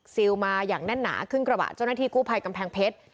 ซิลมาอย่างแน่นหนาขึ้นกระบะเจ้าหน้าที่กู้ภัยกำแพงเพชร